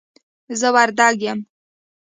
زه وردګ یم